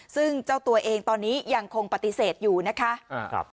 ซึ่งเจ้าตัวเองตอนนี้ยังคงปฏิเสธอยู่นะคะ